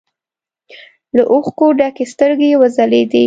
له اوښکو ډکې سترګې يې وځلېدې.